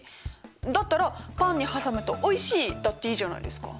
だったら「パンに挟むとおいしい」だっていいじゃないですか。